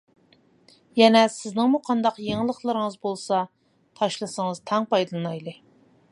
يەنە سىزنىڭمۇ قانداق يېڭىلىقلىرىڭىز بولسا تاشلىسىڭىز تەڭ پايدىلىنايلى.